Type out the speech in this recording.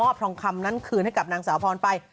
ทองคำนั้นคืนให้กับนางสาวพรไป